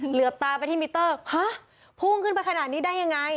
เหลือบตาไปที่มิเตอร์ฮะพุ่งขึ้นไปขนาดนี้ได้ยังไง